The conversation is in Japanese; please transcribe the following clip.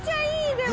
でも。